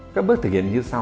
các bước thực hiện như sau